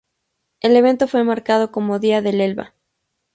El evento fue marcado como día del Elba.